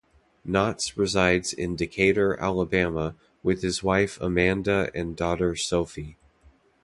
Knotts resides in Decatur, Alabama with his wife Amanda and daughter Sophie.